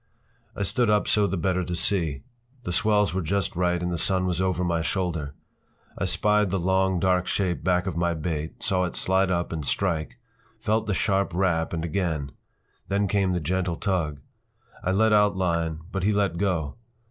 I stood up so the better to see. The swells were just right and the sun was over my shoulder. I spied the long, dark shape back of my bait, saw it slide up and strike, felt the sharp rap—and again. Then came the gentle tug. I let out line, but he let go.